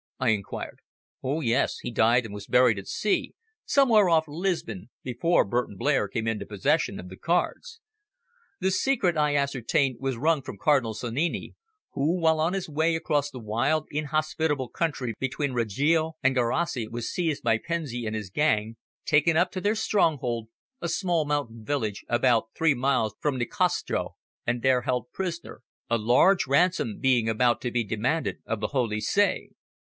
I inquired. "Oh yes, he died and was buried at sea, somewhere off Lisbon, before Burton Blair came into possession of the cards. The secret, I ascertained, was wrung from Cardinal Sannini, who, while on his way across the wild, inhospitable country between Reggio and Gerace was seized by Pensi and his gang, taken up to their stronghold a small mountain village about three miles from Nicastro and there held prisoner, a large ransom being about to be demanded of the Holy See.